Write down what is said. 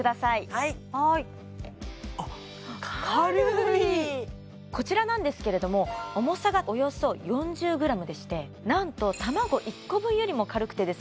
はいはいこちらなんですけれども重さがおよそ４０ｇでして何と卵１個分よりも軽くてですね